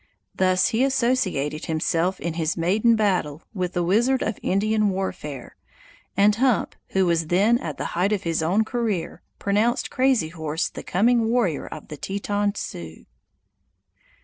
Thus he associated himself in his maiden battle with the wizard of Indian warfare, and Hump, who was then at the height of his own career, pronounced Crazy Horse the coming warrior of the Teton Sioux.